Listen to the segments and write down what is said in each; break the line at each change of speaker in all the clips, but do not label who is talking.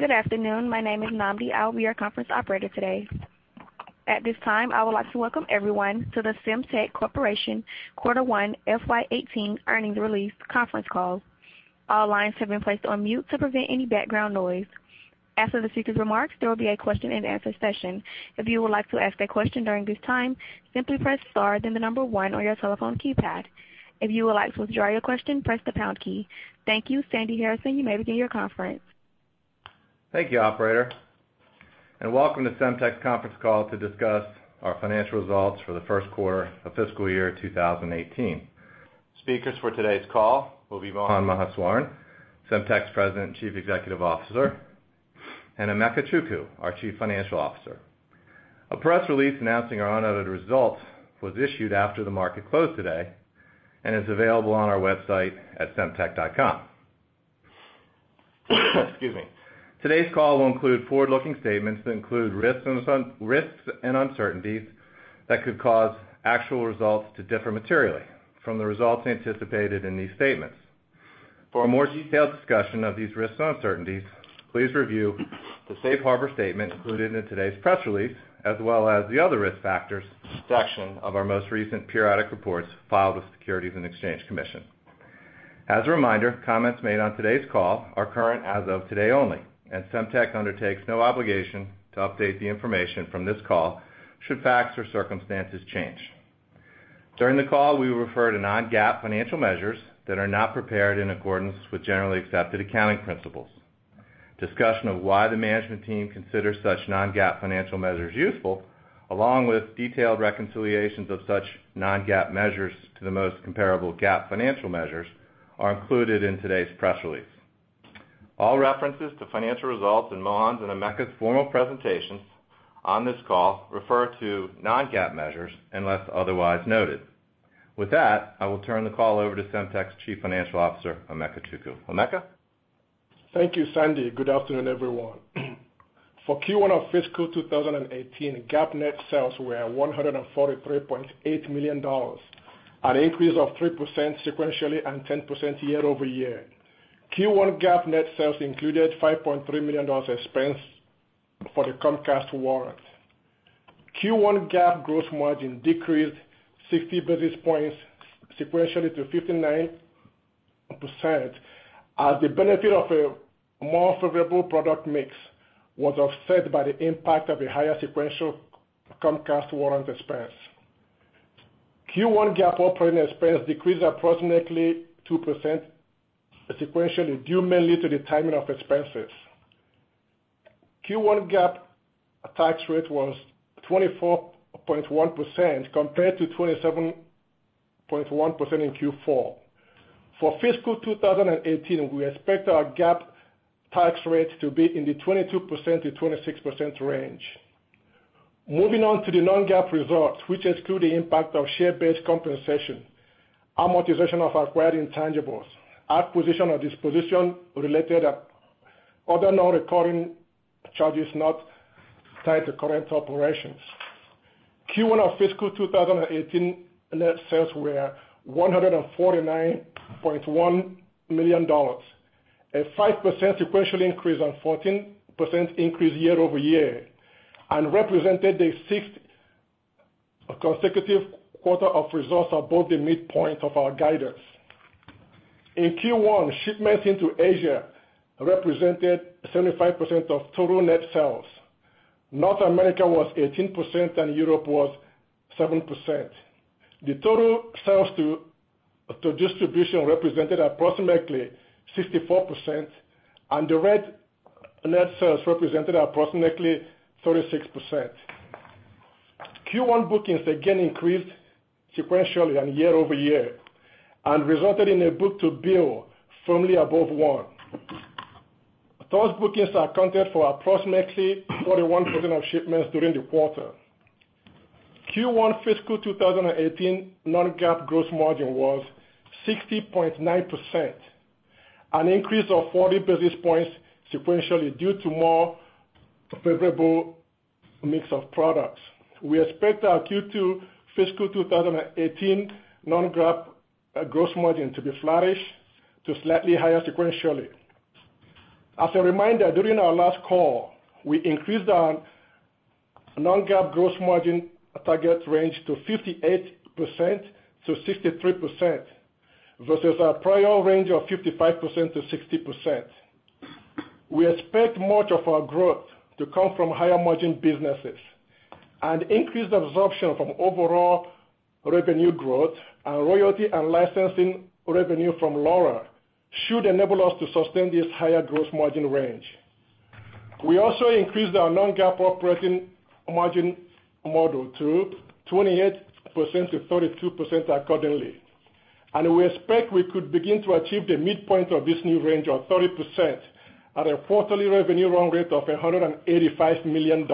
Good afternoon. My name is Nambi. I will be your conference operator today. At this time, I would like to welcome everyone to the Semtech Corporation Q1 FY 2018 Earnings Release Conference Call. All lines have been placed on mute to prevent any background noise. After the speaker's remarks, there will be a question and answer session. If you would like to ask a question during this time, simply press star then the number one on your telephone keypad. If you would like to withdraw your question, press the pound key. Thank you. Sandy Harrison, you may begin your conference.
Thank you, operator, and welcome to Semtech's conference call to discuss our financial results for the first quarter of fiscal year 2018. Speakers for today's call will be Mohan Maheswaran, Semtech's President and Chief Executive Officer, and Emeka Chukwu, our Chief Financial Officer. A press release announcing our unaudited results was issued after the market closed today and is available on our website at semtech.com. Excuse me. Today's call will include forward-looking statements that include risks and uncertainties that could cause actual results to differ materially from the results anticipated in these statements. For a more detailed discussion of these risks and uncertainties, please review the safe harbor statement included in today's press release, as well as the other risk factors section of our most recent periodic reports filed with the Securities and Exchange Commission. As a reminder, comments made on today's call are current as of today only, Semtech undertakes no obligation to update the information from this call should facts or circumstances change. During the call, we will refer to non-GAAP financial measures that are not prepared in accordance with generally accepted accounting principles. Discussion of why the management team considers such non-GAAP financial measures useful, along with detailed reconciliations of such non-GAAP measures to the most comparable GAAP financial measures, are included in today's press release. All references to financial results in Mohan's and Emeka's formal presentations on this call refer to non-GAAP measures unless otherwise noted. With that, I will turn the call over to Semtech's Chief Financial Officer, Emeka Chukwu. Emeka?
Thank you, Sandy. Good afternoon, everyone. For Q1 of fiscal 2018, GAAP net sales were $143.8 million, an increase of 3% sequentially and 10% year-over-year. Q1 GAAP net sales included $5.3 million expense for the Comcast warrant. Q1 GAAP gross margin decreased 60 basis points sequentially to 59% as the benefit of a more favorable product mix was offset by the impact of a higher sequential Comcast warrant expense. Q1 GAAP operating expense decreased approximately 2% sequentially, due mainly to the timing of expenses. Q1 GAAP tax rate was 24.1% compared to 27.1% in Q4. For fiscal 2018, we expect our GAAP tax rate to be in the 22%-26% range. Moving on to the non-GAAP results, which exclude the impact of share-based compensation, amortization of acquired intangibles, acquisition or disposition related, other non-recurring charges not tied to current operations. Q1 of fiscal 2018 net sales were $149.1 million, a 5% sequential increase and 14% increase year-over-year, and represented the sixth consecutive quarter of results above the midpoint of our guidance. In Q1, shipments into Asia represented 75% of total net sales. North America was 18% and Europe was 7%. The total sales to distribution represented approximately 64%, and direct net sales represented approximately 36%. Q1 bookings again increased sequentially and year-over-year and resulted in a book-to-bill firmly above one. Those bookings accounted for approximately 41% of shipments during the quarter. Q1 fiscal 2018 non-GAAP gross margin was 60.9%, an increase of 40 basis points sequentially due to more favorable mix of products. We expect our Q2 fiscal 2018 non-GAAP gross margin to be flat-ish to slightly higher sequentially. As a reminder, during our last call, we increased our non-GAAP gross margin target range to 58%-63%, versus our prior range of 55%-60%. We expect much of our growth to come from higher margin businesses and increased absorption from overall revenue growth and royalty and licensing revenue from LoRa should enable us to sustain this higher gross margin range. We also increased our non-GAAP operating margin model to 28%-32% accordingly, and we expect we could begin to achieve the midpoint of this new range of 30% at a quarterly revenue run rate of $185 million.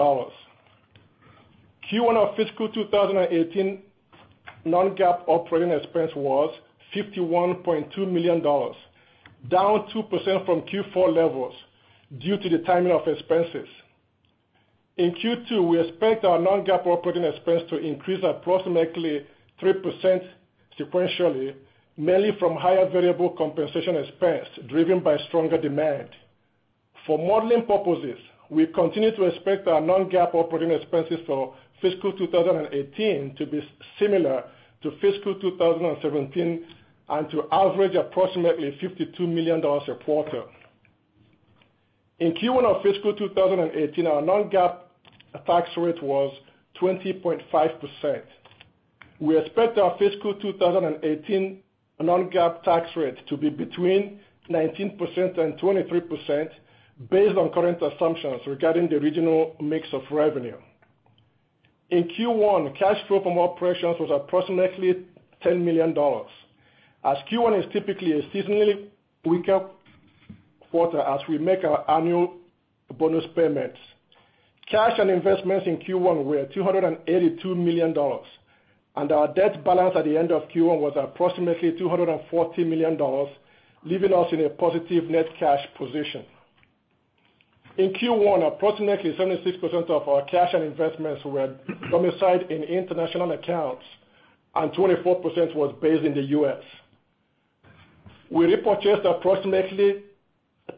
Q1 of fiscal 2018 non-GAAP operating expense was $51.2 million, down 2% from Q4 levels due to the timing of expenses. In Q2, we expect our non-GAAP operating expense to increase approximately 3% sequentially, mainly from higher variable compensation expense driven by stronger demand. For modeling purposes, we continue to expect our non-GAAP operating expenses for fiscal 2018 to be similar to fiscal 2017 and to average approximately $52 million a quarter. In Q1 of fiscal 2018, our non-GAAP tax rate was 20.5%. We expect our fiscal 2018 non-GAAP tax rate to be between 19% and 23% based on current assumptions regarding the regional mix of revenue. In Q1, cash flow from operations was approximately $10 million, as Q1 is typically a seasonally weaker quarter as we make our annual bonus payments. Cash and investments in Q1 were $282 million, and our debt balance at the end of Q1 was approximately $240 million, leaving us in a positive net cash position. In Q1, approximately 76% of our cash and investments were domiciled in international accounts, and 24% was based in the U.S. We repurchased approximately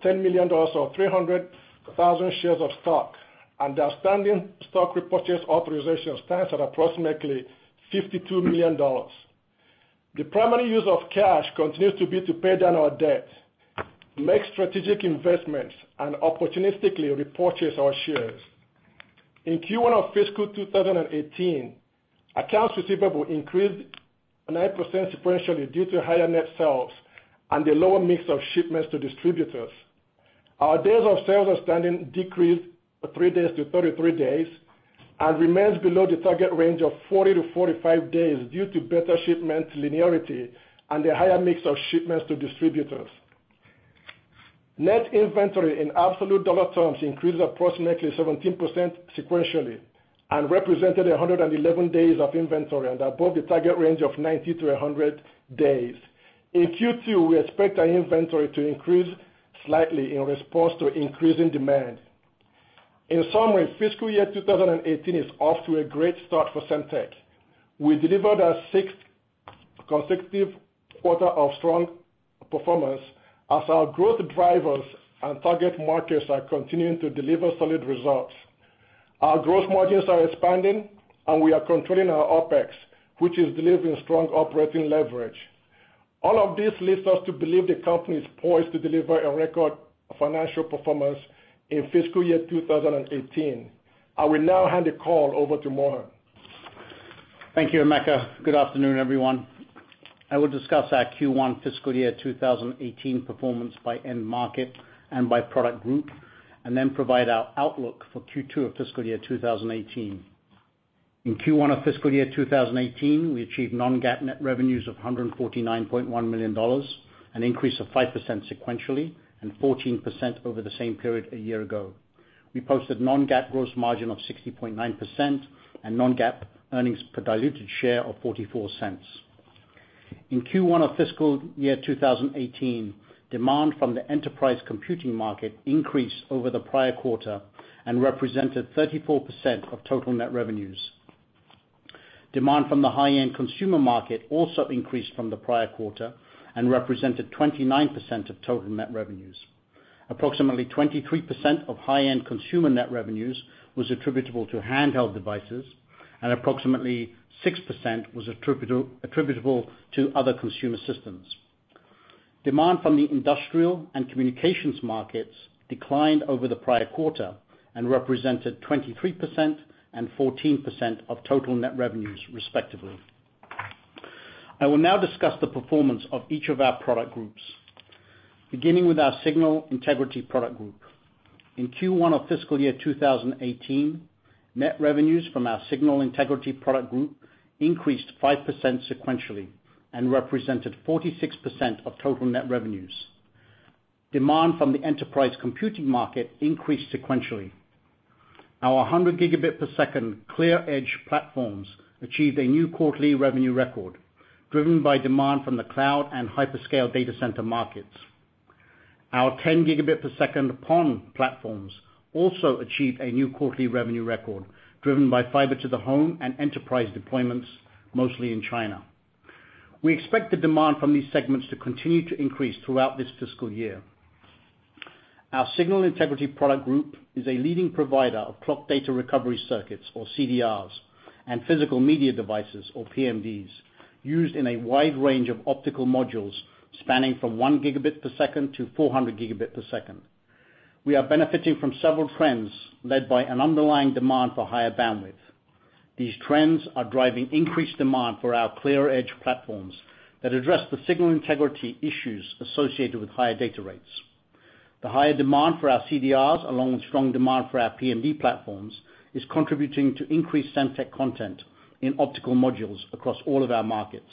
$10 million, or 300,000 shares of stock. Outstanding stock repurchase authorization stands at approximately $52 million. The primary use of cash continues to be to pay down our debt, make strategic investments, and opportunistically repurchase our shares. In Q1 of fiscal 2018, accounts receivable increased 9% sequentially due to higher net sales and a lower mix of shipments to distributors. Our days of sales outstanding decreased three days to 33 days, and remains below the target range of 40 to 45 days due to better shipment linearity and a higher mix of shipments to distributors. Net inventory in absolute dollar terms increased approximately 17% sequentially and represented 111 days of inventory and above the target range of 90 to 100 days. In Q2, we expect our inventory to increase slightly in response to increasing demand. In summary, fiscal year 2018 is off to a great start for Semtech. We delivered our sixth consecutive quarter of strong performance as our growth drivers and target markets are continuing to deliver solid results. Our growth margins are expanding, and we are controlling our OPEX, which is delivering strong operating leverage. All of this leads us to believe the company is poised to deliver a record financial performance in FY 2018. I will now hand the call over to Mohan Maheswaran.
Thank you, Emeka. Good afternoon, everyone. I will discuss our Q1 FY 2018 performance by end market and by product group, then provide our outlook for Q2 of FY 2018. In Q1 of FY 2018, we achieved non-GAAP net revenues of $149.1 million, an increase of 5% sequentially and 14% over the same period a year ago. We posted non-GAAP gross margin of 60.9% and non-GAAP earnings per diluted share of $0.44. In Q1 of FY 2018, demand from the enterprise computing market increased over the prior quarter and represented 34% of total net revenues. Demand from the high-end consumer market also increased from the prior quarter and represented 29% of total net revenues. Approximately 23% of high-end consumer net revenues was attributable to handheld devices, and approximately 6% was attributable to other consumer systems. Demand from the industrial and communications markets declined over the prior quarter and represented 23% and 14% of total net revenues, respectively. I will now discuss the performance of each of our product groups, beginning with our signal integrity product group. In Q1 of FY 2018, net revenues from our signal integrity product group increased 5% sequentially and represented 46% of total net revenues. Demand from the enterprise computing market increased sequentially. Our 100-gigabit per second ClearEdge platforms achieved a new quarterly revenue record driven by demand from the cloud and hyperscale data center markets. Our 10-gigabit per second PON platforms also achieved a new quarterly revenue record driven by fiber to the home and enterprise deployments, mostly in China. We expect the demand from these segments to continue to increase throughout this fiscal year. Our signal integrity product group is a leading provider of clock data recovery circuits, or CDRs, and physical media devices, or PMDs, used in a wide range of optical modules spanning from one gigabit per second to 400 gigabit per second. We are benefiting from several trends led by an underlying demand for higher bandwidth. These trends are driving increased demand for our ClearEdge platforms that address the signal integrity issues associated with higher data rates. The higher demand for our CDRs, along with strong demand for our PMD platforms, is contributing to increased Semtech content in optical modules across all of our markets.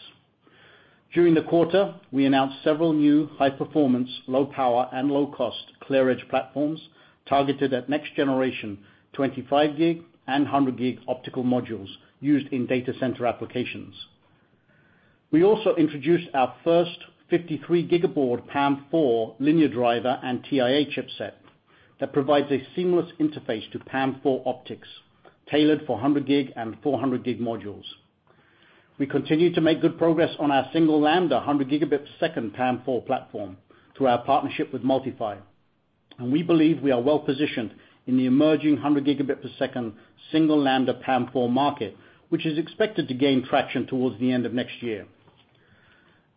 During the quarter, we announced several new high-performance, low-power, and low-cost ClearEdge platforms targeted at next-generation 25-gig and 100-gig optical modules used in data center applications. We also introduced our first 53 Gigabaud PAM4 linear driver and TIA chipset that provides a seamless interface to PAM4 optics tailored for 100G and 400G modules. We continue to make good progress on our single-lambda 100 gigabit per second PAM4 platform through our partnership with MultiPhy. We believe we are well positioned in the emerging 100 gigabit per second single-lambda PAM4 market, which is expected to gain traction towards the end of next year.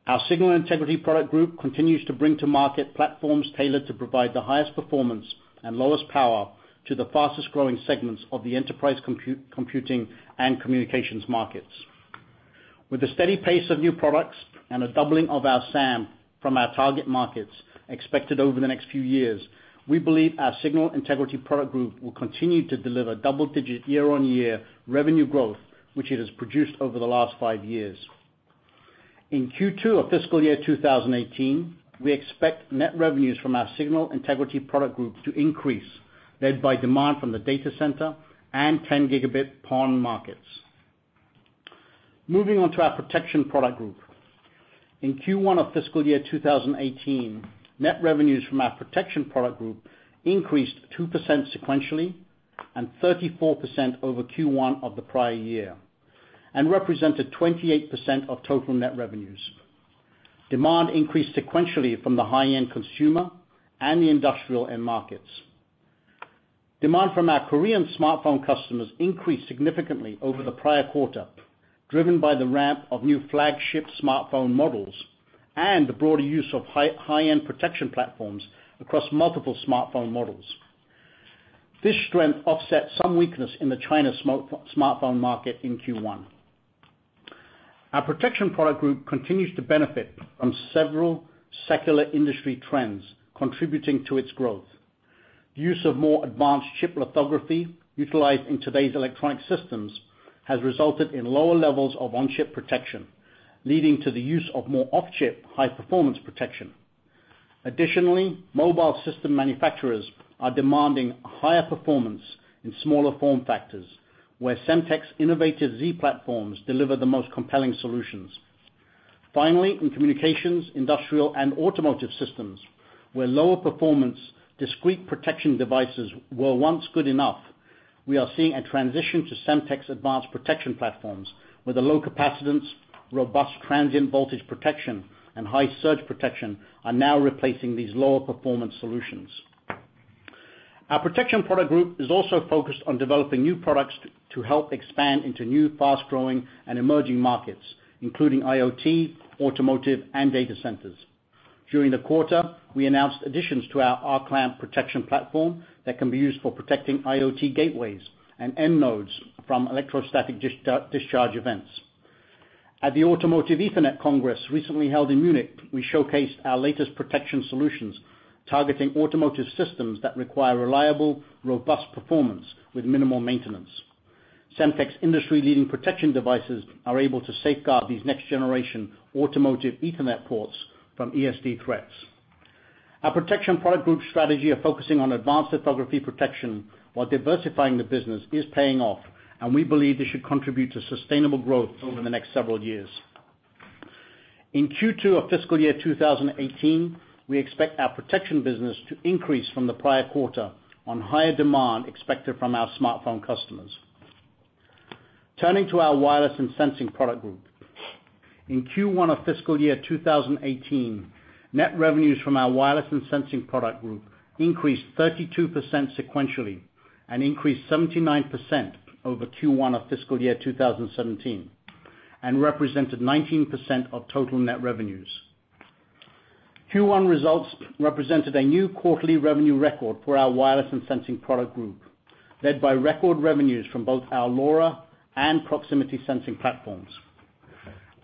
Our signal integrity product group continues to bring to market platforms tailored to provide the highest performance and lowest power to the fastest-growing segments of the enterprise computing and communications markets. With a steady pace of new products and a doubling of our SAM from our target markets expected over the next few years, we believe our signal integrity product group will continue to deliver double-digit year-on-year revenue growth, which it has produced over the last five years. In Q2 of fiscal year 2018, we expect net revenues from our signal integrity product group to increase, led by demand from the data center and 10 Gigabit PON markets. Moving on to our protection product group. In Q1 of fiscal year 2018, net revenues from our protection product group increased 2% sequentially and 34% over Q1 of the prior year and represented 28% of total net revenues. Demand increased sequentially from the high-end consumer and the industrial end markets. Demand from our Korean smartphone customers increased significantly over the prior quarter, driven by the ramp of new flagship smartphone models and the broader use of high-end protection platforms across multiple smartphone models. This strength offset some weakness in the China smartphone market in Q1. Our protection product group continues to benefit from several secular industry trends contributing to its growth. Use of more advanced chip lithography utilized in today's electronic systems has resulted in lower levels of on-chip protection, leading to the use of more off-chip high-performance protection. Additionally, mobile system manufacturers are demanding higher performance in smaller form factors, where Semtech's innovative Z platforms deliver the most compelling solutions. Finally, in communications, industrial, and automotive systems, where lower performance, discrete protection devices were once good enough, we are seeing a transition to Semtech's advanced protection platforms with a low capacitance, robust transient voltage protection, and high surge protection are now replacing these lower performance solutions. Our protection product group is also focused on developing new products to help expand into new fast-growing and emerging markets, including IoT, automotive, and data centers. During the quarter, we announced additions to our RClamp protection platform that can be used for protecting IoT gateways and end nodes from electrostatic discharge events. At the Automotive Ethernet Congress recently held in Munich, we showcased our latest protection solutions targeting automotive systems that require reliable, robust performance with minimal maintenance. Semtech's industry-leading protection devices are able to safeguard these next-generation automotive Ethernet ports from ESD threats. Our protection product group's strategy of focusing on advanced lithography protection while diversifying the business is paying off, and we believe this should contribute to sustainable growth over the next several years. In Q2 of fiscal year 2018, we expect our protection business to increase from the prior quarter on higher demand expected from our smartphone customers. Turning to our wireless and sensing product group. In Q1 of fiscal year 2018, net revenues from our wireless and sensing product group increased 32% sequentially and increased 79% over Q1 of fiscal year 2017 and represented 19% of total net revenues. Q1 results represented a new quarterly revenue record for our wireless and sensing product group, led by record revenues from both our LoRa and proximity sensing platforms.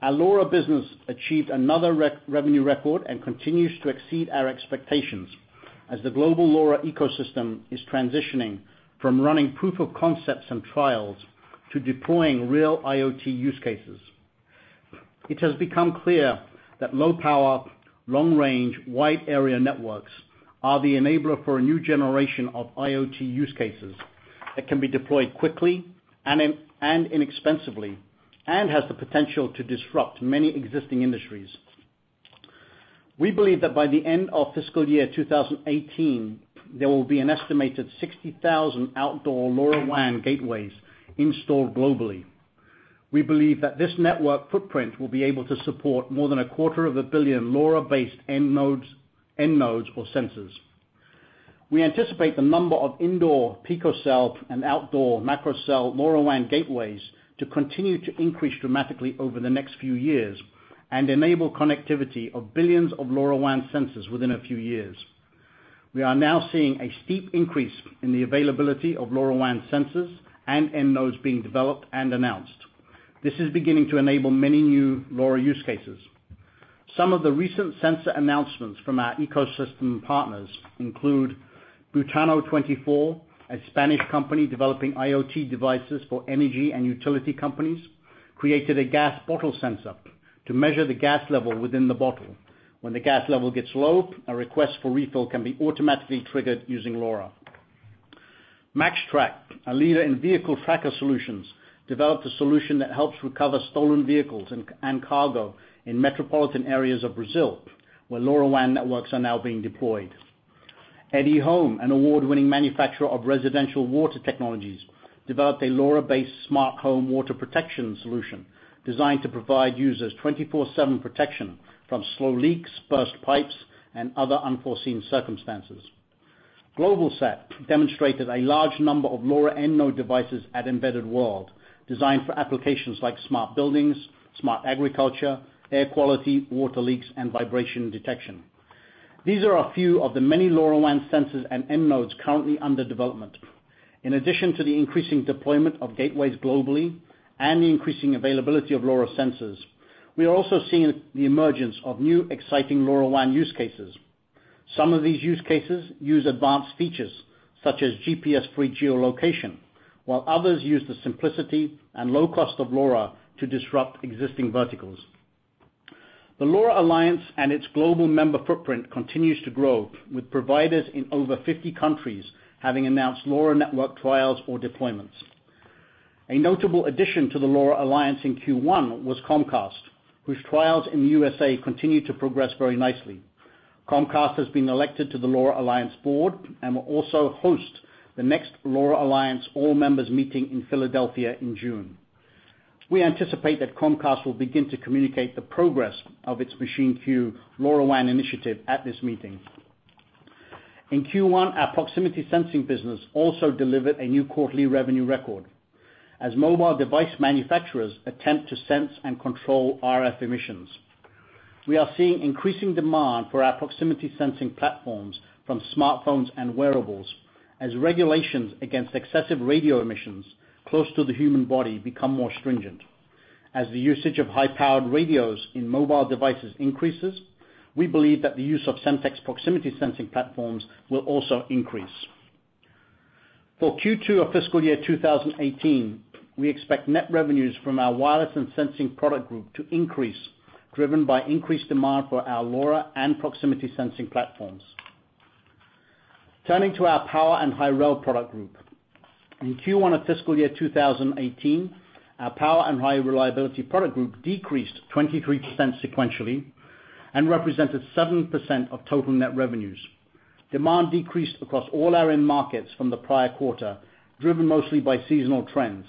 Our LoRa business achieved another revenue record and continues to exceed our expectations as the global LoRa ecosystem is transitioning from running proof of concepts and trials to deploying real IoT use cases. It has become clear that low power, long range, wide area networks are the enabler for a new generation of IoT use cases that can be deployed quickly and inexpensively and has the potential to disrupt many existing industries. We believe that by the end of fiscal year 2018, there will be an estimated 60,000 outdoor LoRaWAN gateways installed globally. We believe that this network footprint will be able to support more than a quarter of a billion LoRa-based end nodes or sensors. We anticipate the number of indoor picocell and outdoor macrocell LoRaWAN gateways to continue to increase dramatically over the next few years and enable connectivity of billions of LoRaWAN sensors within a few years. We are now seeing a steep increase in the availability of LoRaWAN sensors and end nodes being developed and announced. This is beginning to enable many new LoRa use cases. Some of the recent sensor announcements from our ecosystem partners include Butano24, a Spanish company developing IoT devices for energy and utility companies, created a gas bottle sensor to measure the gas level within the bottle. When the gas level gets low, a request for refill can be automatically triggered using LoRa. MAXTRAX, a leader in vehicle tracker solutions, developed a solution that helps recover stolen vehicles and cargo in metropolitan areas of Brazil, where LoRaWAN networks are now being deployed. Eddy Home, an award-winning manufacturer of residential water technologies, developed a LoRa-based smart home water protection solution designed to provide users 24/7 protection from slow leaks, burst pipes, and other unforeseen circumstances. GlobalSat demonstrated a large number of LoRa end node devices at Embedded World, designed for applications like smart buildings, smart agriculture, air quality, water leaks, and vibration detection. These are a few of the many LoRaWAN sensors and end nodes currently under development. In addition to the increasing deployment of gateways globally and the increasing availability of LoRa sensors, we are also seeing the emergence of new exciting LoRaWAN use cases. Some of these use cases use advanced features such as GPS-free geolocation, while others use the simplicity and low cost of LoRa to disrupt existing verticals. The LoRa Alliance and its global member footprint continues to grow, with providers in over 50 countries having announced LoRa network trials or deployments. A notable addition to the LoRa Alliance in Q1 was Comcast, whose trials in the USA continue to progress very nicely. Comcast has been elected to the LoRa Alliance board and will also host the next LoRa Alliance all-members meeting in Philadelphia in June. We anticipate that Comcast will begin to communicate the progress of its MachineQ LoRaWAN initiative at this meeting. In Q1, our proximity sensing business also delivered a new quarterly revenue record as mobile device manufacturers attempt to sense and control RF emissions. We are seeing increasing demand for our proximity sensing platforms from smartphones and wearables as regulations against excessive radio emissions close to the human body become more stringent. As the usage of high-powered radios in mobile devices increases, we believe that the use of Semtech's proximity sensing platforms will also increase. For Q2 of fiscal year 2018, we expect net revenues from our wireless and sensing product group to increase, driven by increased demand for our LoRa and proximity sensing platforms. Turning to our power and high-rel product group. In Q1 of fiscal year 2018, our power and high-reliability product group decreased 23% sequentially and represented 7% of total net revenues. Demand decreased across all our end markets from the prior quarter, driven mostly by seasonal trends.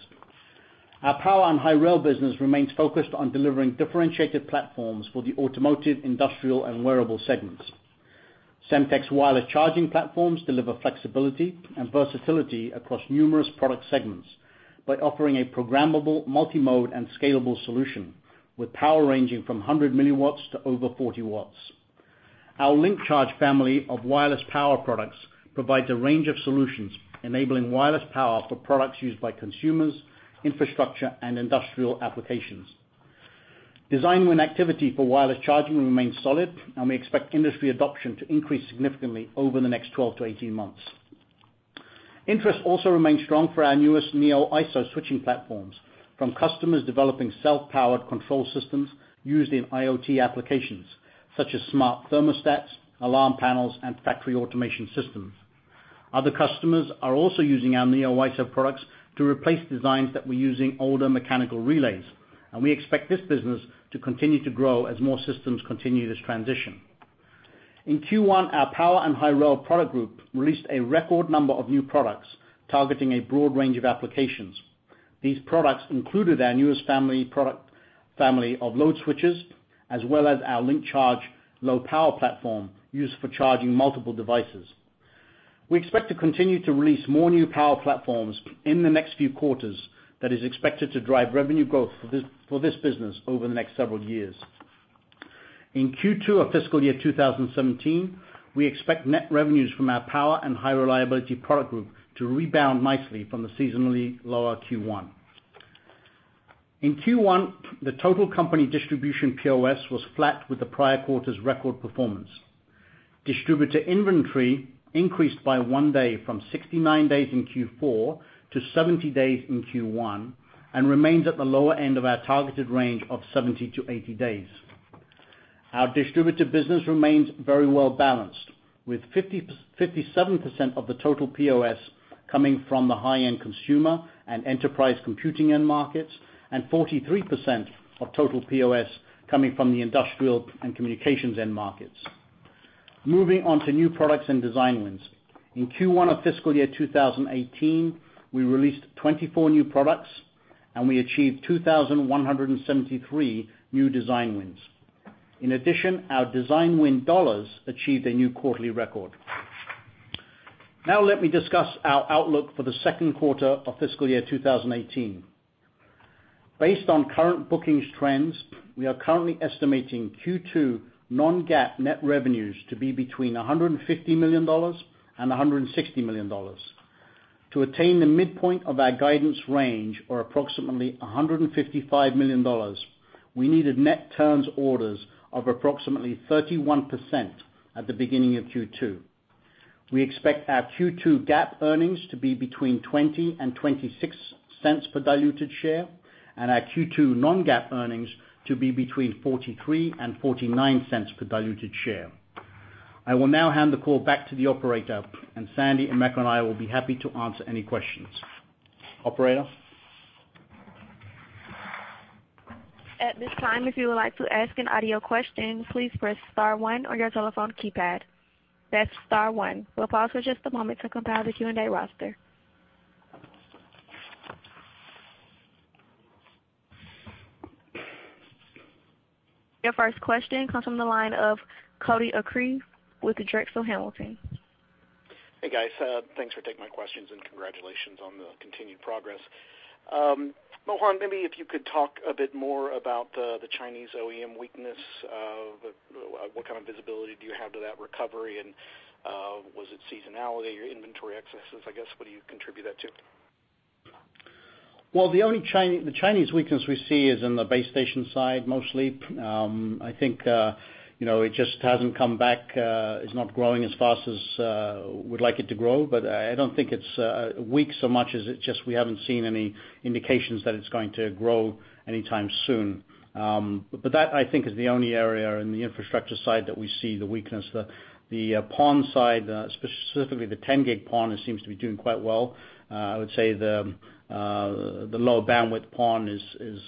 Our power and high-rel business remains focused on delivering differentiated platforms for the automotive, industrial, and wearable segments. Semtech's wireless charging platforms deliver flexibility and versatility across numerous product segments by offering a programmable, multi-mode, and scalable solution with power ranging from 100 milliwatts to over 40 watts. Our LinkCharge family of wireless power products provides a range of solutions enabling wireless power for products used by consumers, infrastructure, and industrial applications. Design win activity for wireless charging remains solid, and we expect industry adoption to increase significantly over the next 12 to 18 months. Interest also remains strong for our newest Neo-Iso switching platforms from customers developing self-powered control systems used in IoT applications such as smart thermostats, alarm panels, and factory automation systems. Other customers are also using our Neo-Iso products to replace designs that were using older mechanical relays, and we expect this business to continue to grow as more systems continue this transition. In Q1, our power and high-rel product group released a record number of new products targeting a broad range of applications. These products included our newest family of load switches as well as our LinkCharge low-power platform used for charging multiple devices. We expect to continue to release more new power platforms in the next few quarters that is expected to drive revenue growth for this business over the next several years. In Q2 of fiscal year 2017, we expect net revenues from our power and high-reliability product group to rebound nicely from the seasonally lower Q1. In Q1, the total company distribution POS was flat with the prior quarter's record performance. Distributor inventory increased by one day from 69 days in Q4 to 70 days in Q1 and remains at the lower end of our targeted range of 70 to 80 days. Our distributor business remains very well balanced, with 57% of the total POS coming from the high-end consumer and enterprise computing end markets and 43% of total POS coming from the industrial and communications end markets. Moving on to new products and design wins. In Q1 of fiscal year 2018, we released 24 new products, and we achieved 2,173 new design wins. In addition, our design win dollars achieved a new quarterly record. Let me discuss our outlook for the second quarter of fiscal year 2018. Based on current bookings trends, we are currently estimating Q2 non-GAAP net revenues to be between $150 million and $160 million. To attain the midpoint of our guidance range, or approximately $155 million, we needed net turns orders of approximately 31% at the beginning of Q2. We expect our Q2 GAAP earnings to be between $0.20 and $0.26 per diluted share, and our Q2 non-GAAP earnings to be between $0.43 and $0.49 per diluted share. I will now hand the call back to the operator, and Sandy and Emeka and I will be happy to answer any questions. Operator?
At this time, if you would like to ask an audio question, please press star one on your telephone keypad. That's star one. We'll pause for just a moment to compile the Q&A roster. Your first question comes from the line of Cody Acree with the Drexel Hamilton.
Hey, guys. Thanks for taking my questions, and congratulations on the continued progress. Mohan, maybe if you could talk a bit more about the Chinese OEM weakness. What kind of visibility do you have to that recovery, and was it seasonality or inventory excesses, I guess? What do you contribute that to?
The only Chinese weakness we see is in the base station side, mostly. I think it just hasn't come back. It's not growing as fast as we'd like it to grow. I don't think it's weak so much as it's just we haven't seen any indications that it's going to grow anytime soon. That, I think, is the only area in the infrastructure side that we see the weakness. The PON side, specifically the 10 gig PON, seems to be doing quite well. I would say the lower bandwidth PON is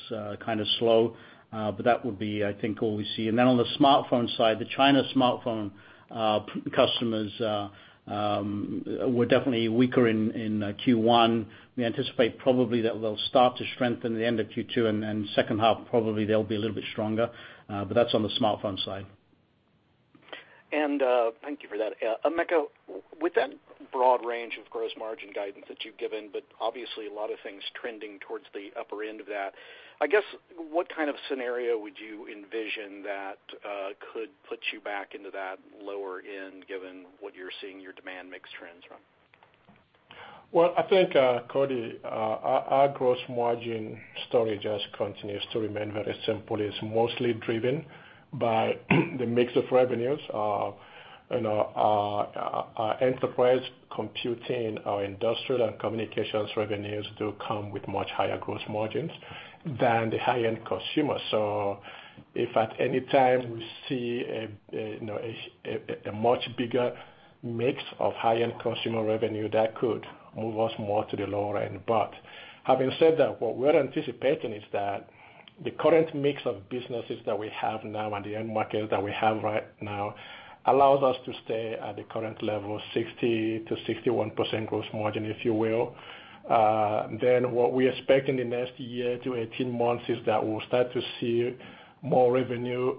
kind of slow. That would be, I think all we see. On the smartphone side, the China smartphone customers were definitely weaker in Q1. We anticipate probably that they'll start to strengthen at the end of Q2, and then second half, probably they'll be a little bit stronger. That's on the smartphone side.
Thank you for that. Emeka, with that broad range of gross margin guidance that you've given, obviously a lot of things trending towards the upper end of that, I guess, what kind of scenario would you envision that could put you back into that lower end, given what you're seeing your demand mix trends run?
Well, I think, Cody Acree, our gross margin story just continues to remain very simple. It's mostly driven by the mix of revenues. Our enterprise computing, our industrial and communications revenues do come with much higher gross margins than the high-end consumer. If at any time we see a much bigger mix of high-end consumer revenue, that could move us more to the lower end. Having said that, what we're anticipating is that the current mix of businesses that we have now and the end markets that we have right now allows us to stay at the current level of 60%-61% gross margin, if you will. What we expect in the next year to 18 months is that we'll start to see more revenue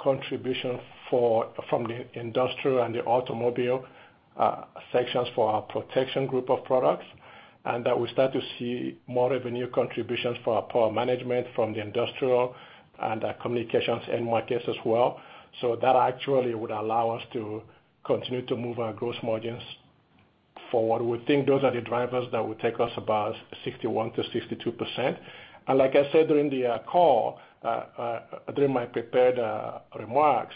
contribution from the industrial and the automobile sections for our protection group of products. That we start to see more revenue contributions for our power management from the industrial and our communications end markets as well. That actually would allow us to continue to move our gross margins forward. We think those are the drivers that will take us about 61%-62%. Like I said during my prepared remarks,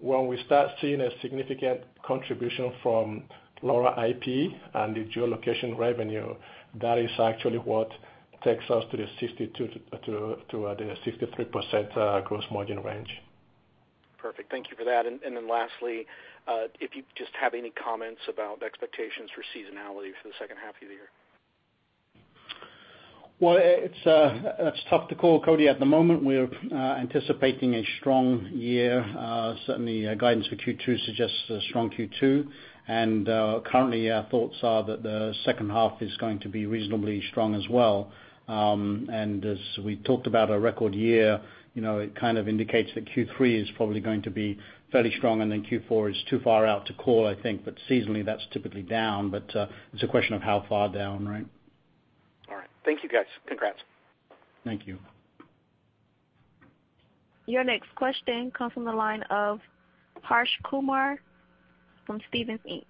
when we start seeing a significant contribution from LoRa IP and the geolocation revenue, that is actually what takes us to the 63% gross margin range.
Perfect. Thank you for that. Lastly, if you just have any comments about expectations for seasonality for the second half of the year.
Well, it's tough to call, Cody. At the moment, we're anticipating a strong year. Certainly, guidance for Q2 suggests a strong Q2, currently our thoughts are that the second half is going to be reasonably strong as well. As we talked about a record year, it kind of indicates that Q3 is probably going to be fairly strong, Q4 is too far out to call, I think. Seasonally, that's typically down, but it's a question of how far down, right?
All right. Thank you, guys. Congrats.
Thank you.
Your next question comes from the line of Harsh Kumar from Stephens Inc.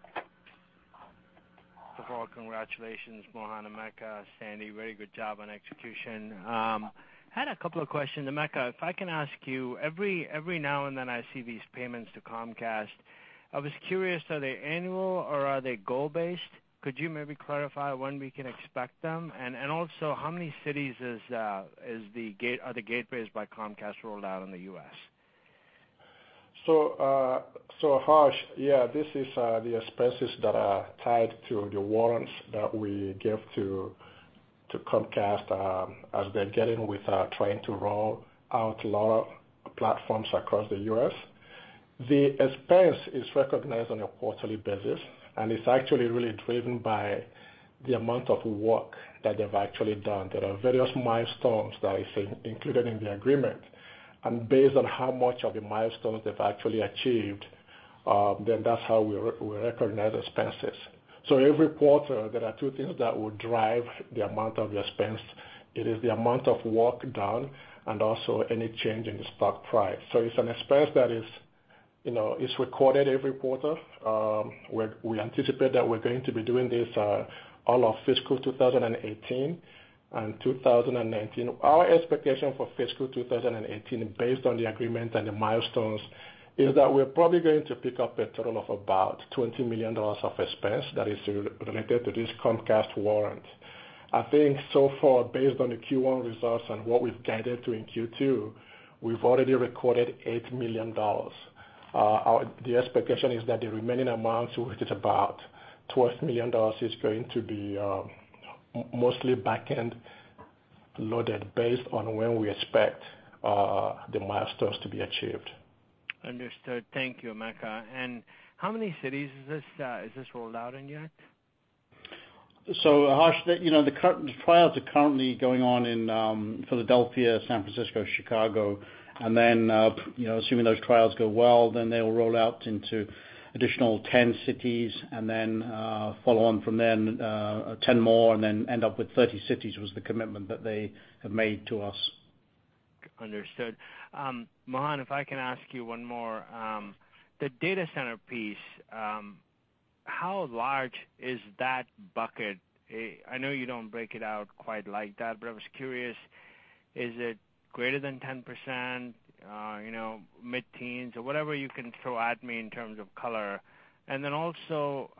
First of all, congratulations, Mohan, Emeka, Sandy. Very good job on execution. I had a couple of questions. Emeka, if I can ask you, every now and then I see these payments to Comcast. I was curious, are they annual or are they goal-based? Could you maybe clarify when we can expect them? Also, how many cities are the Gateways by Comcast rolled out in the U.S.?
Harsh, yeah, this is the expenses that are tied to the warrants that we give to Comcast as they're getting with trying to roll out a lot of platforms across the U.S. The expense is recognized on a quarterly basis, and it's actually really driven by the amount of work that they've actually done. There are various milestones that is included in the agreement. Based on how much of the milestones they've actually achieved, that's how we recognize expenses. Every quarter, there are two things that will drive the amount of the expense. It is the amount of work done and also any change in the stock price. It's an expense that is recorded every quarter. We anticipate that we're going to be doing this all of fiscal 2018 and 2019. Our expectation for fiscal 2018 based on the agreement and the milestones is that we're probably going to pick up a total of about $20 million of expense that is related to this Comcast warrant. I think so far, based on the Q1 results and what we've guided to in Q2, we've already recorded $8 million. The expectation is that the remaining amount, which is about $12 million, is going to be mostly back-end loaded based on when we expect the milestones to be achieved.
Understood. Thank you, Emeka. How many cities is this rolled out in yet?
Harsh, the trials are currently going on in Philadelphia, San Francisco, Chicago, and then, assuming those trials go well, then they'll roll out into additional 10 cities, and then follow on from there, 10 more, and then end up with 30 cities was the commitment that they have made to us.
Understood. Mohan, if I can ask you one more. The data center piece, how large is that bucket? I know you don't break it out quite like that, but I was curious, is it greater than 10%, mid-teens, or whatever you can throw at me in terms of color. Then also,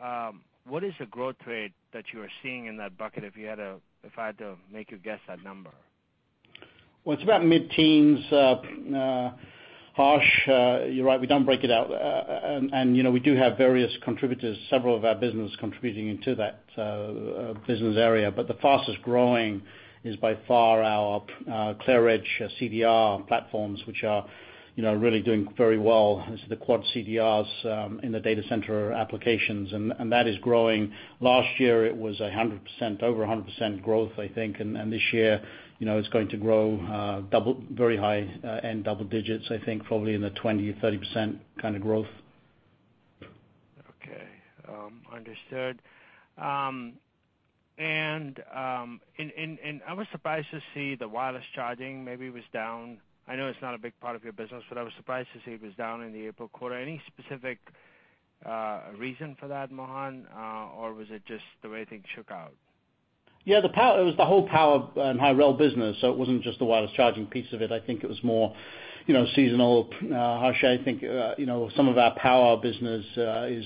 what is the growth rate that you are seeing in that bucket, if I had to make you guess that number?
It's about mid-teens, Harsh. You're right, we don't break it out. We do have various contributors, several of our business contributing into that business area. The fastest-growing is by far our ClearEdge CDR platforms, which are really doing very well. This is the quad CDRs in the data center applications, and that is growing. Last year, it was over 100% growth, I think. This year, it's going to grow very high, and double digits, I think, probably in the 20 or 30% kind of growth.
Okay. Understood. I was surprised to see the wireless charging, maybe it was down. I know it's not a big part of your business, but I was surprised to see it was down in the April quarter. Any specific reason for that, Mohan, or was it just the way things shook out?
Yeah, it was the whole power and high-rel business, so it wasn't just the wireless charging piece of it. I think it was more seasonal, Harsh. I think some of our power business is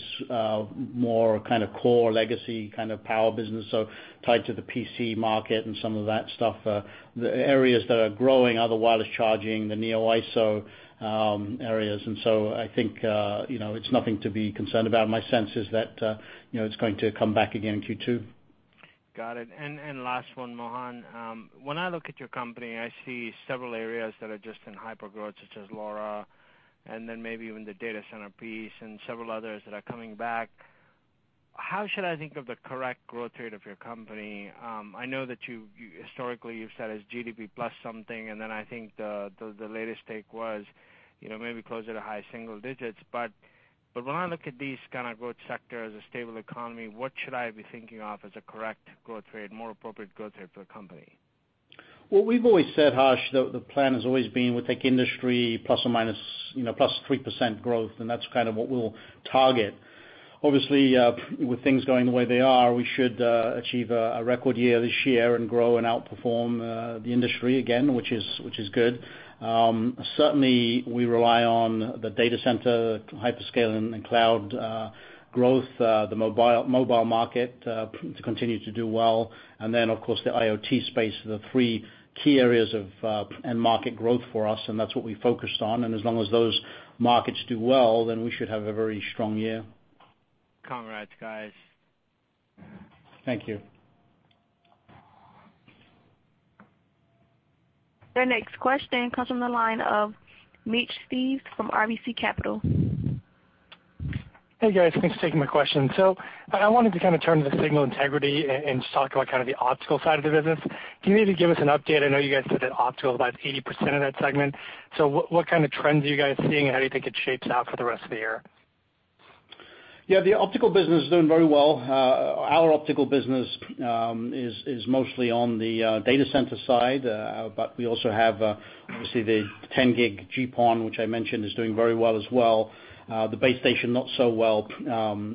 more kind of core legacy kind of power business, so tied to the PC market and some of that stuff. The areas that are growing are the wireless charging, the Neo-Iso areas. I think it's nothing to be concerned about. My sense is that it's going to come back again in Q2.
Got it. Last one, Mohan. When I look at your company, I see several areas that are just in hyper-growth, such as LoRa, and then maybe even the data center piece and several others that are coming back. How should I think of the correct growth rate of your company? I know that historically, you've said it's GDP plus something, and then I think the latest take was maybe closer to high single digits. When I look at these kind of growth sectors, a stable economy, what should I be thinking of as a correct growth rate, more appropriate growth rate for a company?
Well, we've always said, Harsh, the plan has always been we take industry plus 3% growth, and that's kind of what we'll target. Obviously, with things going the way they are, we should achieve a record year this year and grow and outperform the industry again, which is good. Certainly, we rely on the data center, hyperscale, and the cloud growth, the mobile market to continue to do well, and then, of course, the IoT space are the three key areas of end market growth for us, and that's what we focused on. As long as those markets do well, then we should have a very strong year.
Congrats, guys.
Thank you.
The next question comes from the line of Mitch Steves from RBC Capital.
Hey, guys. Thanks for taking my question. I wanted to kind of turn to the signal integrity and just talk about kind of the optical side of the business. Can you maybe give us an update? I know you guys said that optical is about 80% of that segment. What kind of trends are you guys seeing, and how do you think it shapes out for the rest of the year?
Yeah, the optical business is doing very well. Our optical business is mostly on the data center side. We also have, obviously, the 10-gig GPON, which I mentioned is doing very well as well. The base station, not so well,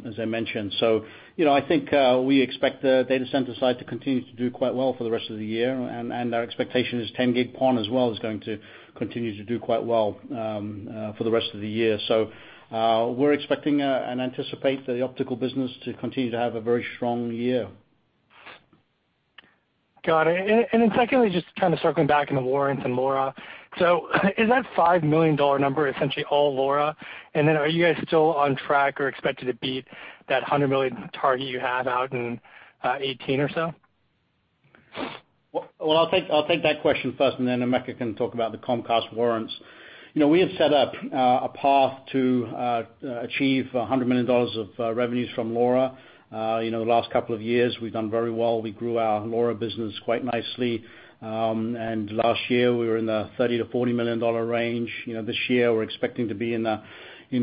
as I mentioned. I think we expect the data center side to continue to do quite well for the rest of the year, and our expectation is 10-gig PON as well is going to continue to do quite well for the rest of the year. We're expecting and anticipate the optical business to continue to have a very strong year.
Got it. Secondly, just kind of circling back on the warrants and LoRa. Is that $5 million number essentially all LoRa? Are you guys still on track or expected to beat that $100 million target you have out in 2018 or so?
I'll take that question first, Emeka can talk about the Comcast warrants. We have set up a path to achieve $100 million of revenues from LoRa. The last couple of years, we've done very well. We grew our LoRa business quite nicely. Last year, we were in the $30 million-$40 million range. This year, we're expecting to be in the $40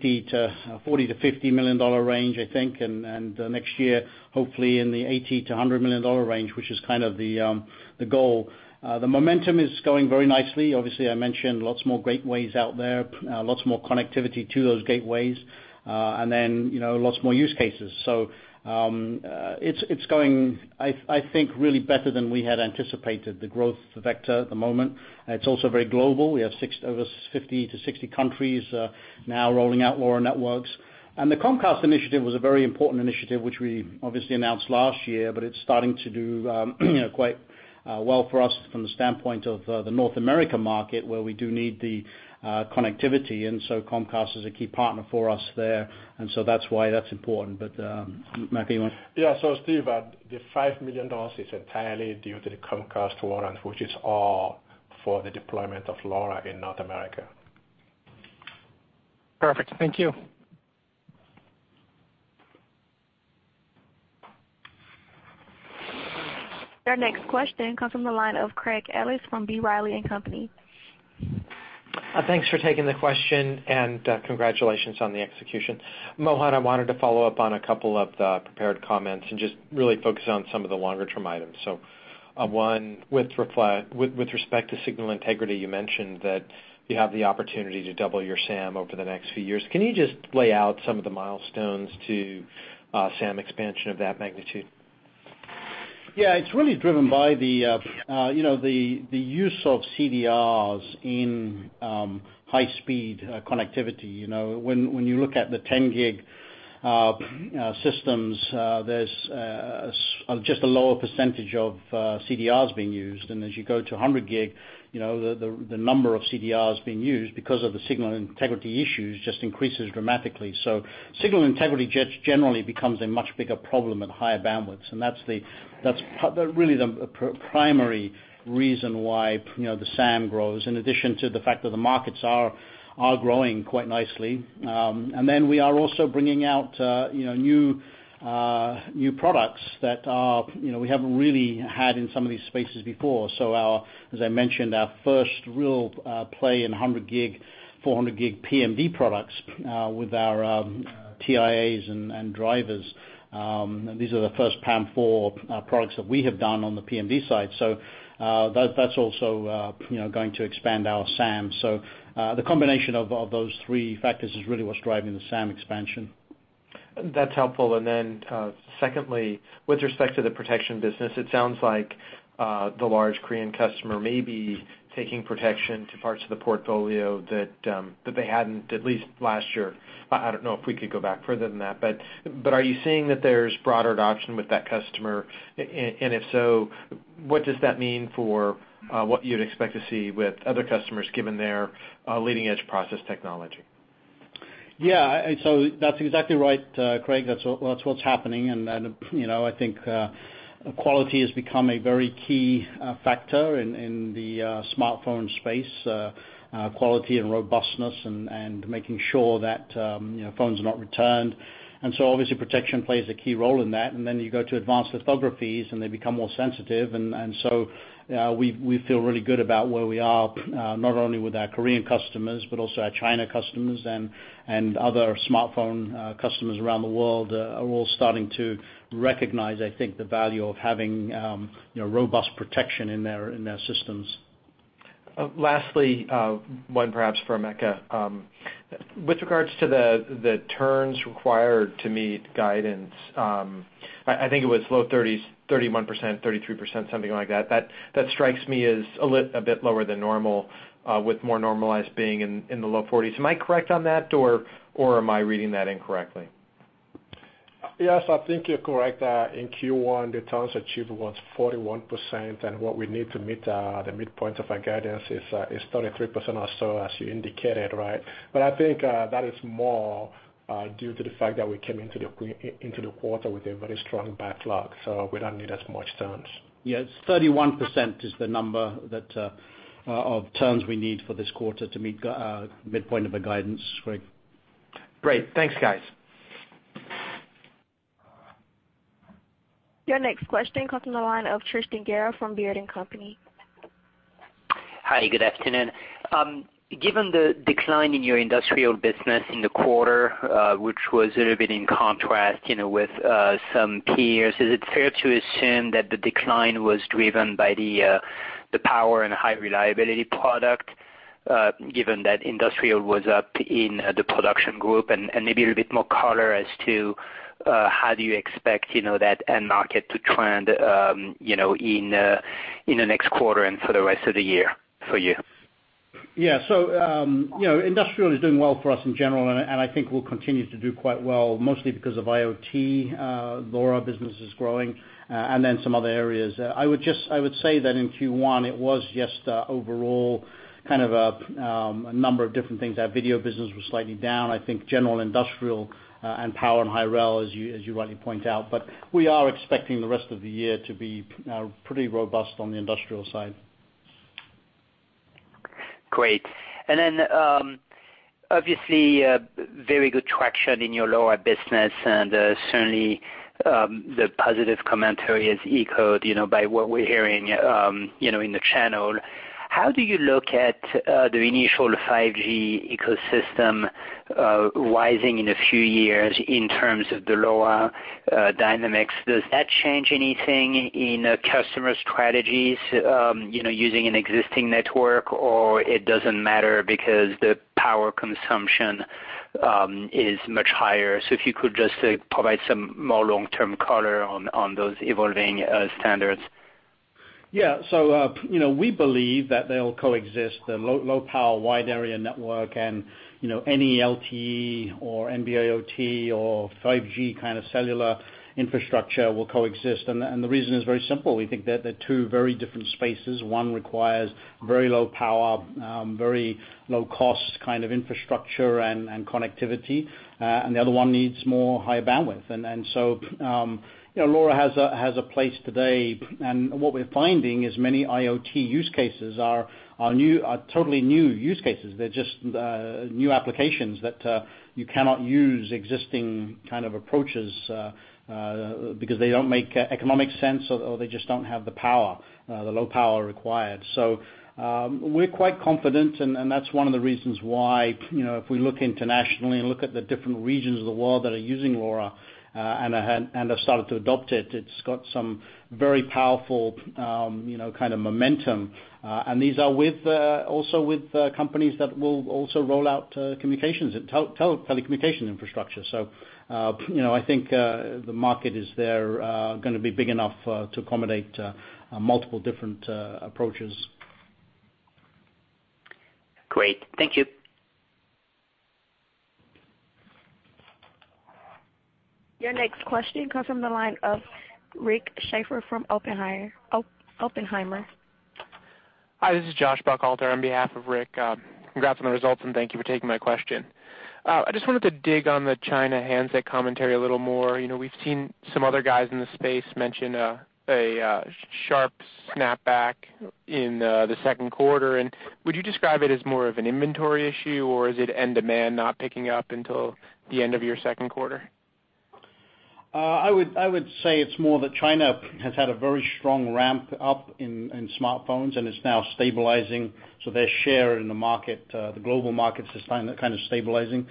million-$50 million range, I think. Next year, hopefully in the $80 million-$100 million range, which is kind of the goal. The momentum is going very nicely. Obviously, I mentioned lots more gateways out there, lots more connectivity to those gateways, lots more use cases. It's going, I think, really better than we had anticipated, the growth vector at the moment. It's also very global. We have over 50-60 countries now rolling out LoRa networks. The Comcast initiative was a very important initiative, which we obviously announced last year, it's starting to do quite well for us from the standpoint of the North America market, where we do need the connectivity. Comcast is a key partner for us there. That's why that's important. Emeka, you want?
The $5 million is entirely due to the Comcast warrant, which is all for the deployment of LoRa in North America.
Perfect. Thank you.
Your next question comes from the line of Craig Ellis from B. Riley & Company.
Thanks for taking the question, congratulations on the execution. Mohan, I wanted to follow up on a couple of the prepared comments and just really focus on some of the longer-term items. One, with respect to signal integrity, you mentioned that you have the opportunity to double your SAM over the next few years. Can you just lay out some of the milestones to SAM expansion of that magnitude?
Yeah, it's really driven by the use of CDRs in high-speed connectivity. When you look at the 10G systems, there's just a lower percentage of CDRs being used. As you go to 100G, the number of CDRs being used, because of the signal integrity issues, just increases dramatically. Signal integrity just generally becomes a much bigger problem at higher bandwidths. That's really the primary reason why the SAM grows, in addition to the fact that the markets are growing quite nicely. We are also bringing out new products that we haven't really had in some of these spaces before. As I mentioned, our first real play in 100G, 400G PMD products with our TIAs and drivers. These are the first PAM4 products that we have done on the PMD side. That's also going to expand our SAM. The combination of those three factors is really what's driving the SAM expansion.
That's helpful. Secondly, with respect to the protection business, it sounds like the large Korean customer may be taking protection to parts of the portfolio that they hadn't, at least last year. I don't know if we could go back further than that, but are you seeing that there's broader adoption with that customer? If so, what does that mean for what you'd expect to see with other customers, given their leading-edge process technology?
Yeah. That's exactly right, Craig. That's what's happening. I think quality has become a very key factor in the smartphone space. Quality and robustness and making sure that phones are not returned. Obviously protection plays a key role in that. You go to advanced lithographies, and they become more sensitive. We feel really good about where we are, not only with our Korean customers, but also our China customers and other smartphone customers around the world are all starting to recognize, I think, the value of having robust protection in their systems.
Lastly, one perhaps for Emeka. With regards to the turns required to meet guidance, I think it was low 30s, 31%, 33%, something like that. That strikes me as a bit lower than normal, with more normalized being in the low 40s. Am I correct on that, or am I reading that incorrectly?
Yes, I think you're correct. In Q1, the turns achieved was 41%, and what we need to meet the midpoint of our guidance is 33% or so, as you indicated, right? I think that is more due to the fact that we came into the quarter with a very strong backlog, so we don't need as much turns.
Yeah, 31% is the number of turns we need for this quarter to meet midpoint of the guidance, Craig.
Great. Thanks, guys.
Your next question comes from the line of Tristan Gerra from Baird & Company.
Hi, good afternoon. Given the decline in your industrial business in the quarter, which was a little bit in contrast with some peers, is it fair to assume that the decline was driven by the power and high reliability product, given that industrial was up in the production group? Maybe a little bit more color as to how do you expect that end market to trend in the next quarter and for the rest of the year for you?
Yeah. Industrial is doing well for us in general, and I think will continue to do quite well, mostly because of IoT. LoRa business is growing, and then some other areas. I would say that in Q1, it was just overall kind of a number of different things. Our video business was slightly down. I think general industrial and power and high rel, as you rightly point out, but we are expecting the rest of the year to be pretty robust on the industrial side.
Great. Obviously very good traction in your LoRa business, and certainly the positive commentary is echoed by what we're hearing in the channel. How do you look at the initial 5G ecosystem rising in a few years in terms of the LoRa dynamics? Does that change anything in customer strategies using an existing network, or it doesn't matter because the power consumption is much higher? If you could just provide some more long-term color on those evolving standards.
Yeah. We believe that they'll coexist, the low-power wide-area network and any LTE or NB-IoT or 5G kind of cellular infrastructure will coexist. The reason is very simple. We think they're two very different spaces. One requires very low power, very low cost kind of infrastructure and connectivity, and the other one needs more high bandwidth. LoRa has a place today, and what we're finding is many IoT use cases are totally new use cases. They're just new applications that you cannot use existing kind of approaches, because they don't make economic sense or they just don't have the low power required. We're quite confident, and that's one of the reasons why, if we look internationally and look at the different regions of the world that are using LoRa, and have started to adopt it's got some very powerful kind of momentum. These are also with companies that will also roll out telecommunication infrastructure. I think, the market is there, going to be big enough to accommodate multiple different approaches.
Great. Thank you.
Your next question comes from the line of Rick Schafer from Oppenheimer.
Hi, this is Joshua Buchalter on behalf of Rick. Congrats on the results, and thank you for taking my question. I just wanted to dig on the China handset commentary a little more. We've seen some other guys in the space mention a sharp snapback in the second quarter. Would you describe it as more of an inventory issue, or is it end demand not picking up until the end of your second quarter?
I would say it's more that China has had a very strong ramp up in smartphones and is now stabilizing. Their share in the global market is kind of stabilizing.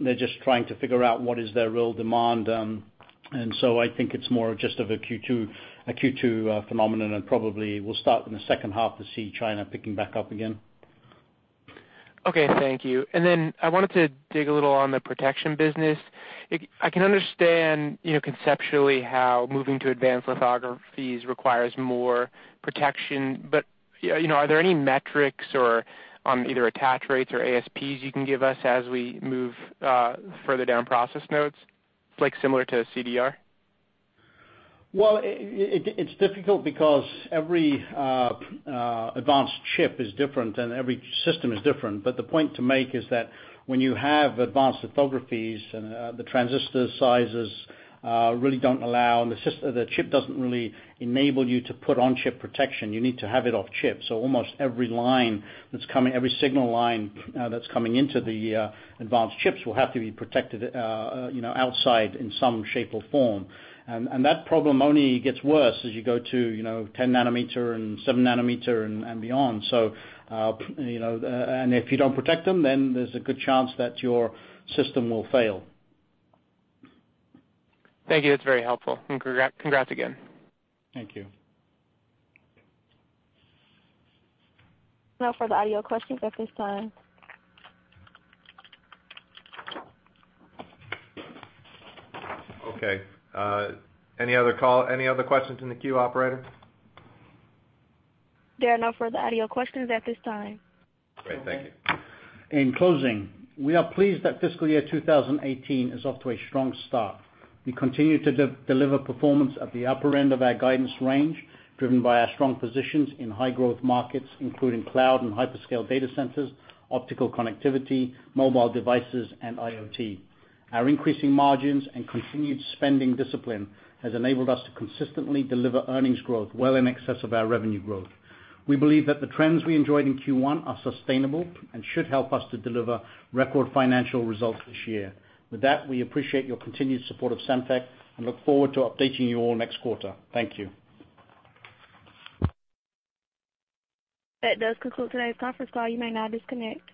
They're just trying to figure out what is their real demand. I think it's more of just of a Q2 phenomenon, and probably we'll start in the second half to see China picking back up again.
Okay, thank you. I wanted to dig a little on the protection business. I can understand conceptually how moving to advanced lithographies requires more protection, but are there any metrics on either attach rates or ASPs you can give us as we move further down process nodes, like similar to CDR?
Well, it's difficult because every advanced chip is different, and every system is different. The point to make is that when you have advanced lithographies and the transistor sizes really don't allow, and the chip doesn't really enable you to put on chip protection. You need to have it off chip. Almost every signal line that's coming into the advanced chips will have to be protected outside in some shape or form. That problem only gets worse as you go to 10 nanometer and seven nanometer and beyond. If you don't protect them, then there's a good chance that your system will fail.
Thank you. That's very helpful, and congrats again.
Thank you.
No further audio questions at this time.
Okay. Any other questions in the queue, operator?
There are no further audio questions at this time.
Great. Thank you.
In closing, we are pleased that fiscal year 2018 is off to a strong start. We continue to deliver performance at the upper end of our guidance range, driven by our strong positions in high growth markets, including cloud and hyperscale data centers, optical connectivity, mobile devices, and IoT. Our increasing margins and continued spending discipline has enabled us to consistently deliver earnings growth well in excess of our revenue growth. We believe that the trends we enjoyed in Q1 are sustainable and should help us to deliver record financial results this year. With that, we appreciate your continued support of Semtech and look forward to updating you all next quarter. Thank you.
That does conclude today's conference call. You may now disconnect.